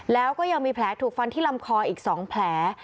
แล้วก็ยังมีแผลถูกฟันที่ลำคออีก๒แผล